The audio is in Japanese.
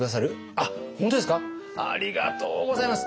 ありがとうございます！